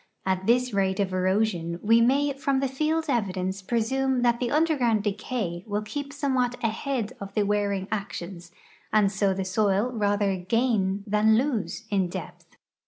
At this rate of erosion, we may from the field evidence presume that the underground decay will keep somewhat ahead of the wearing actions, and so the soil rather gain than lose in depth.